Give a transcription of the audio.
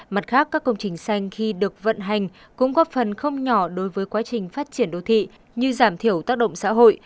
mặt khác các công trình xanh khi được vận hành cũng góp phần không nhỏ đối với quá trình phát triển đô thị như giảm thiểu tác động xã hội